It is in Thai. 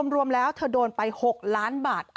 รวมแล้วเธอโดนไป๖ล้านบาท